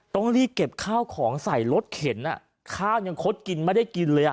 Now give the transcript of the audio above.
ต้องรีบเก็บข้าวของใส่รถเข็นข้าวยังคดกินไม่ได้กินเลย